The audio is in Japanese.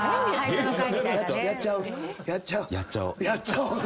やっちゃう？